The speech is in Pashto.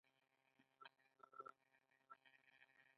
آیا که بندیزونه لرې شي ایران وده نه کوي؟